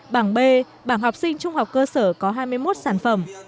bảng b bảng học sinh trung học cơ sở có hai mươi một sản phẩm